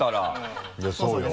いやそうよ。